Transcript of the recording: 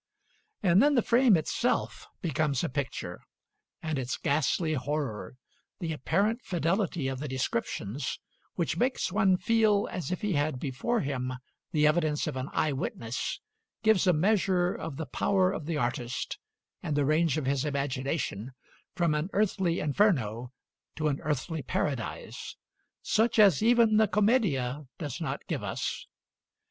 And then the frame itself becomes a picture; and its ghastly horror the apparent fidelity of the descriptions, which makes one feel as if he had before him the evidence of an eye witness gives a measure of the power of the artist and the range of his imagination, from an earthly inferno to an earthly paradise, such as even the 'Commedia' does not give us.